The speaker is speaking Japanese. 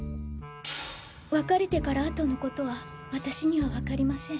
別れてから後のことは私にはわかりません。